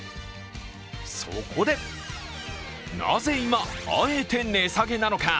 そこで、なぜ今、あえて値下げなのか。